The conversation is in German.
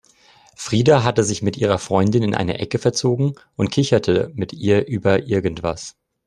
Frida hatte sich mit ihrer Freundin in eine Ecke verzogen und kicherte mit ihr über irgendwas.